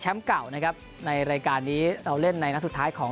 เก่านะครับในรายการนี้เราเล่นในนัดสุดท้ายของ